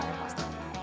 nah ya pasti